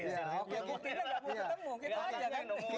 kita tidak mau ketemu